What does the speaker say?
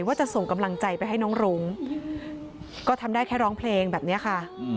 ว่าจะส่งกำลังใจไปให้น้องรุ้งก็ทำได้แค่ร้องเพลงแบบนี้ค่ะ